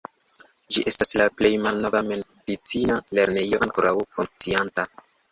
Ĝi estas la plej malnova medicina lernejo ankoraŭ funkcianta.